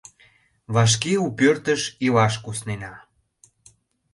— Вашке у пӧртыш илаш куснена.